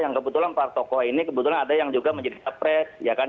yang kebetulan para tokoh ini kebetulan ada yang juga mencerita pres ya kan